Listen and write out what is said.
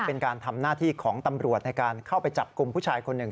เป็นการทำหน้าที่ของตำรวจในการเข้าไปจับกลุ่มผู้ชายคนหนึ่ง